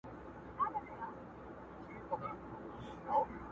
ټوله ته وای ټوله ته وای!!